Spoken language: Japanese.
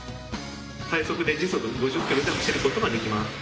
最速で時速５０ｋｍで走ることができます。